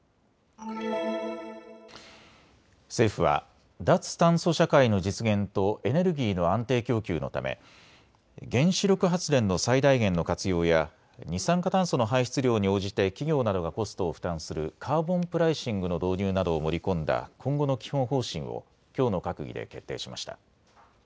政府は脱炭素社会の実現とエネルギーの安定供給のため原子力発電の最大限の活用や二酸化炭素の排出量に応じて企業などがコストを負担するカーボンプライシングの導入などを盛り込んだ今後の基本方針をきょうの閣議で決定しました。